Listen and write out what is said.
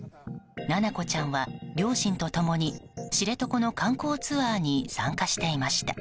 七菜子ちゃんは両親と共に知床の観光ツアーに参加していました。